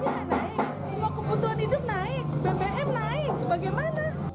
ya naik semua kebutuhan hidup naik bbm naik bagaimana